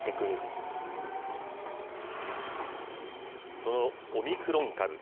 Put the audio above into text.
そのオミクロン株。